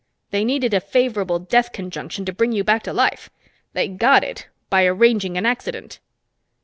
They needed a favorable death conjunction to bring you back to life; they got it by arranging an accident!"